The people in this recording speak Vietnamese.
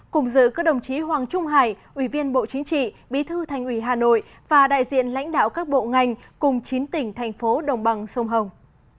cùng dự các đồng chí hoàng trung hải ủy viên bộ chính trị bí thư thành ủy hà nội và đại diện lãnh đạo các bộ ngành cùng chín tỉnh thành phố đồng bằng sông hồng